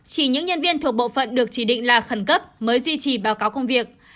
chỉ những nhân viên thuộc bộ phận được chỉ định là khẩn cấp mới duy trì báo cáo công việc